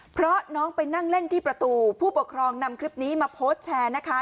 เพราะน้องไปนั่งเล่นที่ประตูผู้ปกครองนำคลิปนี้มาโพสต์แชร์นะคะ